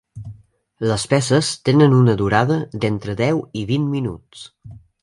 Les peces tenen una durada d'entre deu i vint minuts.